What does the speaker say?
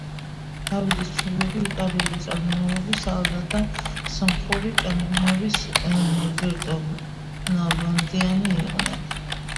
დავიდის მშობლები იტალიური წარმომავლობის ალდა და სომხური წარმომავლობის ნორბერტო ნალბანდიანი იყვნენ.